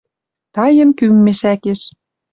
Таен кӱм мешӓкеш.